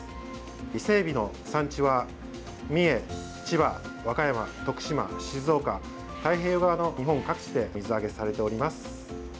伊勢えびの産地は三重、千葉、和歌山、徳島、静岡太平洋側の日本各地で水揚げされております。